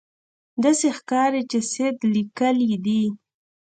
داسې ښکاري چې سید لیکلي دي.